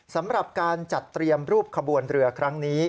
สำหรับการจัดเตรียมรูปขบวนเรือครั้งนี้